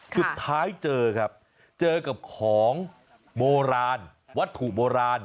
สุดท้ายเจอครับเจอกับของโบราณวัตถุโบราณ